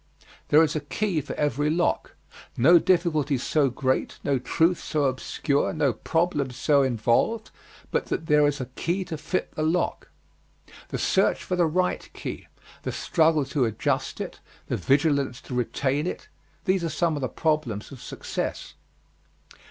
There is a key for every lock. No difficulty so great, no truth so obscure, no problem so involved, but that there is a key to fit the lock. The search for the right key, the struggle to adjust it, the vigilance to retain it these are some of the problems of success.